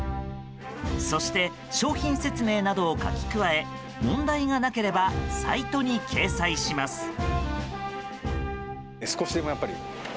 そして、商品説明などを書き加え問題がなければサイトに掲載します。